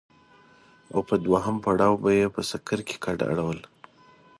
او په دوهم پړاو به يې په سکر کې کډه اړوله.